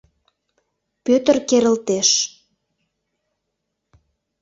— Пӧтыр керылтеш.